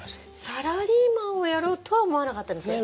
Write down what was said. サラリーマンをやろうとは思わなかったんですか？